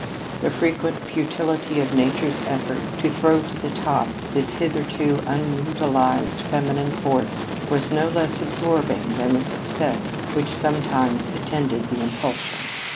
The frequent futility of Nature's effort to throw to the top this hitherto unutilized feminine force was no less absorbing than the success which sometimes attended the impulsion.